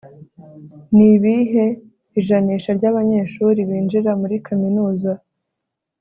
nibihe ijanisha ryabanyeshuri binjira muri kaminuza